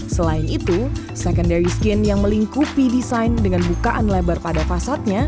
selain itu secondary skin yang melingkupi desain dengan bukaan lebar pada fasadnya